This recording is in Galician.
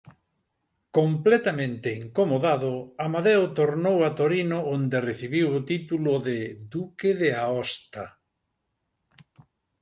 Completamente incomodado Amadeo tornou a Torino onde recibiu o título de Duque de Aosta.